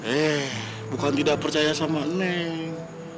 eh bukan tidak percaya sama neng